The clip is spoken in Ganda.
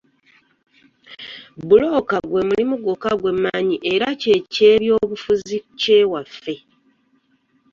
Bbulooka gw'emulimu gwokka gwemmanyi era ky'ekyebyobufuzi ky'ewaffe